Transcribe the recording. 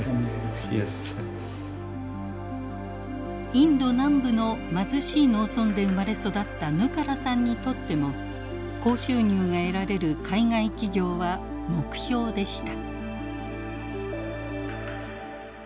インド南部の貧しい農村で生まれ育ったヌカラさんにとっても高収入が得られる海外企業は目標でした。